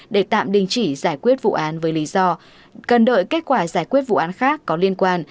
để tạm đình chỉ giải quyết vụ án với lý do cần đợi kết quả giải quyết vụ án khác có liên quan